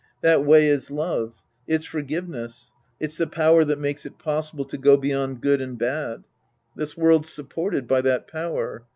That way is love. It's forgiveness. It's the power that makes it pos sible to go beyond good and bad. This world's supported by that power.